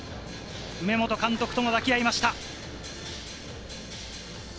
梅本監督と抱き合いました。